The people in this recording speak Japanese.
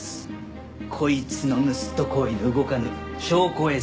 こいつの盗っ人行為の動かぬ証拠映像